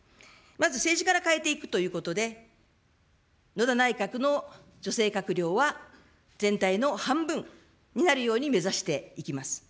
まず政治から変えていくということで、野田内閣の女性閣僚は、全体の半分になるように目指していきます。